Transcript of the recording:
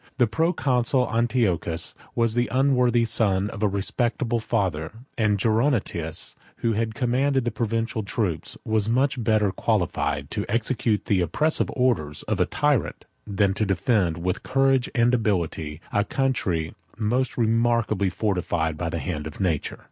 The proconsul Antiochus was the unworthy son of a respectable father; and Gerontius, who commanded the provincial troops, was much better qualified to execute the oppressive orders of a tyrant, than to defend, with courage and ability, a country most remarkably fortified by the hand of nature.